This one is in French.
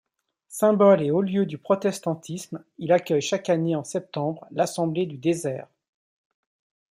Symbole et haut-lieu du protestantisme, il accueille chaque année en septembre l'Assemblée du Désert.